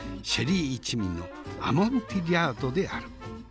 シェリー一味のアモンティリャードである。